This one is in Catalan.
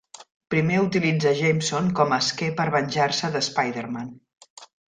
Primer utilitza Jameson com a esquer per venjar-se de Spider-Man.